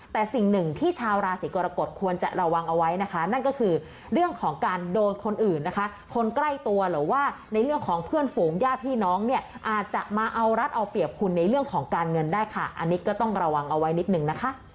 แต่สิ่งหนึ่งที่ชาวราศีกรกฎควรจะระวังเอาไว้นะคะนั่นก็คือเรื่องของการโดนคนอื่นนะคะคนใกล้ตัวหรือว่าในเรื่องของเพื่อนฝูงญาติพี่น้องเนี่ยอาจจะมาเอารัดเอาเปรียบคุณในเรื่องของการเงินได้ค่ะอันนี้ก็ต้องระวังเอาไว้นิดนึงนะคะ